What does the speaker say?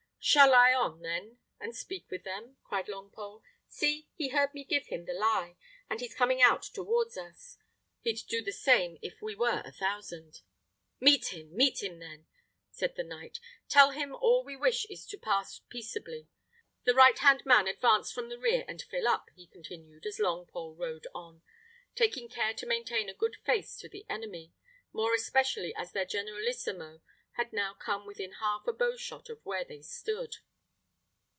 "Shall I on, then, and speak with him?" cried Longpole. "See! he heard me give him the lie, and he's coming out towards us. He'd do the same if we were a thousand." "Meet him, meet him, then!" said the knight; "tell him all we wish is to pass peaceably. The right hand man advance from the rear and fill up!" he continued, as Longpole rode on, taking care still to maintain a good face to the enemy, more especially as their generalissimo had now come within half a bow shot of where they stood.